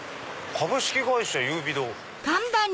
「株式会社優美堂」。